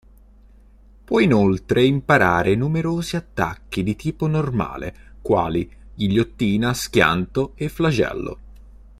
Può inoltre imparare numerosi attacchi di tipo Normale quali Ghigliottina, Schianto e Flagello.